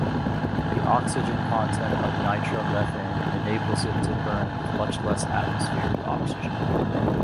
The oxygen content of nitromethane enables it to burn with much less atmospheric oxygen.